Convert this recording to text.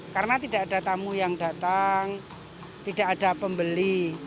karena tidak ada tamu yang datang tidak ada pembeli